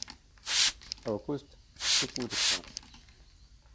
August zugutekamen.